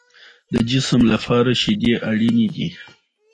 په تکلیف را روان و، دلته مې بیا دا ډار په زړه.